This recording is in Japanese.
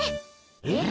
えっ？